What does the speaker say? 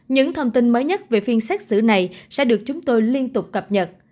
những thông tin mới nhất về phiên xét xử này sẽ được chúng tôi liên tục cập nhật